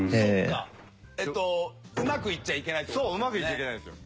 うまくいっちゃいけないんですよ。